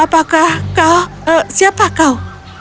apakah kau siapa kau